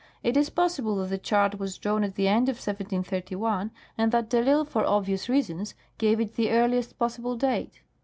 It is possible that the chart was drawn at the end of 1731, and that de ITsle, for obvious reasons, gave it the earliest possible date.